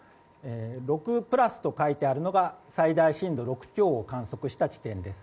６プラスと書いてあるのが最大震度６強を観測した地点です。